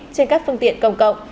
trên các phương tiện công cộng